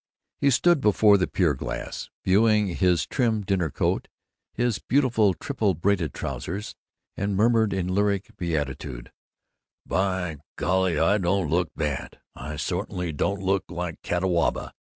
He stood before the pier glass, viewing his trim dinner coat, his beautiful triple braided trousers; and murmured in lyric beatitude, "By golly, I don't look so bad. I certainly don't look like Catawba.